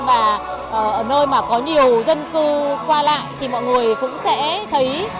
và ở nơi mà có nhiều dân cư qua lại thì mọi người cũng sẽ thấy